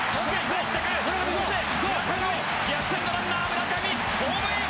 逆転のランナー、村上ホームイン！